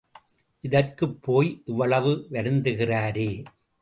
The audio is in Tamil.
இதற்குப் போய் இவ்வளவு வருந்துகிறாரே!